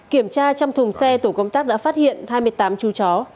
kiểm tra trong thùng xe tổ công tác đã phát hiện hai mươi tám chú chó